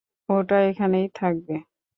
ওটা ওখানেই থাকবে।